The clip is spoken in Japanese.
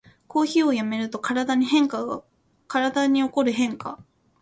コーヒーをやめると体に起こる変化